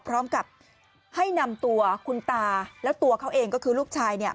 พร้อมกับให้นำตัวคุณตาแล้วตัวเขาเองก็คือลูกชายเนี่ย